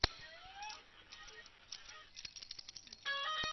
ეკოსისტემის სტრუქტურა ეკოლოგიური ფაქტორები